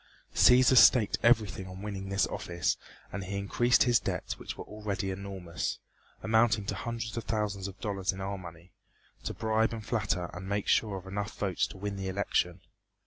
Cæsar staked everything on winning this office and he increased his debts, which were already enormous, amounting to hundreds of thousands of dollars in our money, to bribe and flatter and make sure of enough votes to win the election.